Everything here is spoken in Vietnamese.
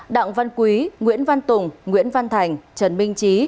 đặng văn quý nguyễn văn tùng nguyễn văn thành trần minh trí